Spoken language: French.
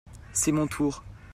c'est mon tour.